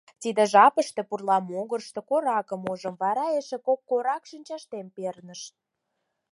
Тиде жапыште пурла могырышто коракым ужым, вара эше кок корак шинчашем перныш.